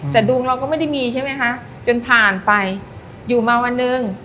แต่ดวงเราก็ไม่ได้มีใช่ไหมคะจนผ่านไปอยู่มาวันหนึ่ง